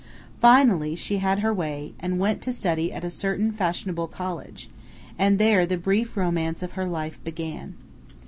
Finally she had her way, and went to study at a certain fashionable college; and there the brief romance of her life began.